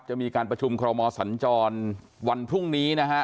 จะมีการพรรมสรรจรรย์ครับวันพรุ่งนี้นะครับ